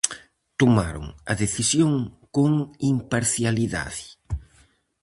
Tomaron a decisión con imparcialidade.